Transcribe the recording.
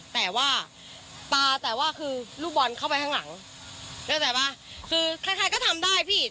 แต่ว่าปลาแต่ว่าคือลูกบอลเข้าไปข้างหลังเข้าใจป่ะคือใครใครก็ทำได้พี่